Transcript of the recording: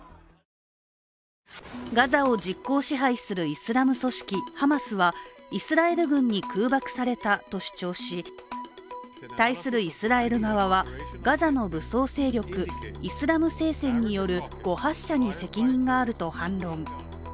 ガザを実効支配するイスラム組織ハマスはイスラエル軍に空爆されたと主張し対するイスラエル側はガザの武装勢力イスラム聖戦による誤発射に責任があると反論。